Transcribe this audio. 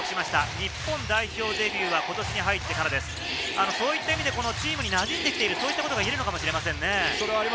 日本代表デビューは今年に入ってから、そういった意味でチームになじんできていると言えるのかもしれませんね。